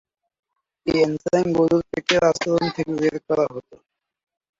এই এনজাইম গরুর পেটের আস্তরণ থেকে বের করা হতো।